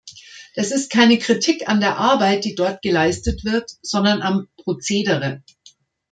Das ist keine Kritik an der Arbeit, die dort geleistet wird, sondern am procedere.